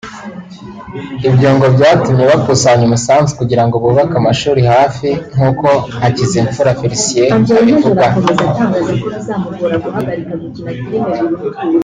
Ibyo ngo byatumye bakusanya umusanzu kugira ngo bubake amashuri hafi; nkuko Hakizimfura Felicien abivuga